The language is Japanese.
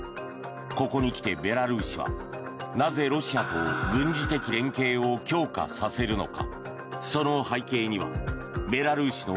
ここに来て、ベラルーシはなぜロシアと軍事的連携を強化させるのか。